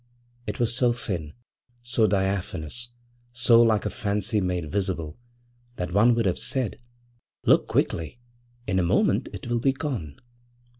It was so thin, so diaphanous, so like a fancy made visible, that one would have said: 'Look quickly! in a moment it will be gone.'